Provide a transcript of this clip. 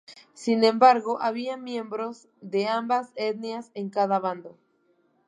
Sin embargo, había miembros de ambas etnias en cada bando.